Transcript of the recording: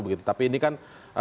begitu tapi ini kan